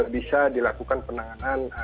bisa dilakukan penanganan